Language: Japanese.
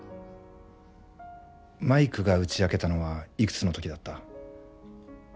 マイクが打ち明けたのはいくつの時だった？